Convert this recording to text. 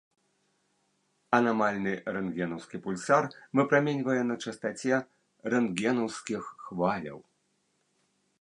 Анамальны рэнтгенаўскі пульсар выпраменьвае на частаце рэнтгенаўскіх хваляў.